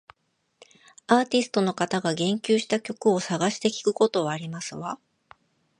アーティストの方が言及した曲を探して聞くことはありますわ